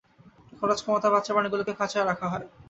খরচ কমাতে বাচ্চা প্রাণীগুলোকে খাঁচায় রাখা হয়।